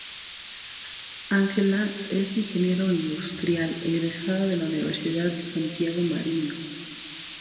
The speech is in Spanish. Ángela es Ingeniero Industrial egresada de la "Universidad Santiago Mariño".